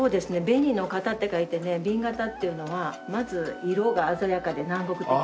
紅の型って書いて紅型っていうのはまず色が鮮やかで南国的。